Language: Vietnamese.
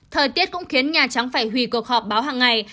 thời tiết cũng khiến nhà trắng phải hủy cuộc họp báo hằng ngày